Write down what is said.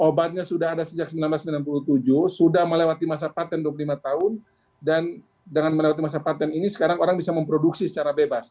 obatnya sudah ada sejak seribu sembilan ratus sembilan puluh tujuh sudah melewati masa patent dua puluh lima tahun dan dengan melewati masa patent ini sekarang orang bisa memproduksi secara bebas